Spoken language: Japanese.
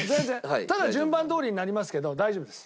ただ順番どおりになりますけど大丈夫です。